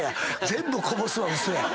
全部こぼすは嘘や。